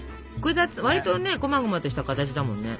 わりとねこまごまとした形だもんね。